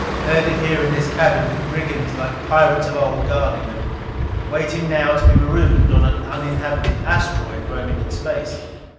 Herded here in this cabin, with brigands like pirates of old, guarding them. Waiting now to be marooned on an uninhabited asteroid roaming in space.